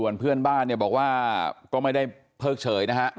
ยูจะมัดตีแม่